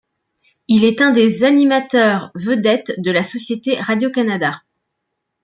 Il est un des animateurs vedettes de la Société Radio-Canada.